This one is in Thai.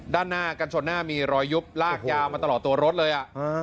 ด้านหน้ากันชนหน้ามีรอยยุบลากยาวมาตลอดตัวรถเลย